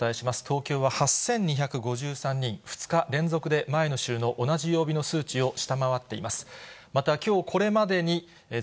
東京は８２５３人、２日連続で前の週の同じ曜日の数値を下回っています。